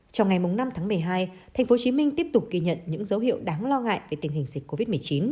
trong ngày năm tháng một mươi hai tp hcm tiếp tục ghi nhận những dấu hiệu đáng lo ngại về tình hình dịch covid một mươi chín